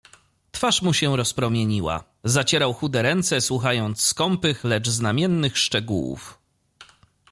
"Twarz mu się rozpromieniła; zacierał chude ręce, słuchając skąpych lecz znamiennych szczegółów."